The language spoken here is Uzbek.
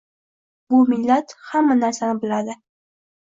Bu millat hamma narsani biladi.